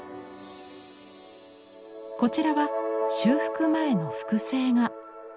こちらは修復前の複製画。